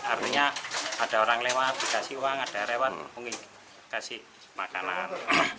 artinya ada orang lewat dikasih uang ada rewat dikasih makanan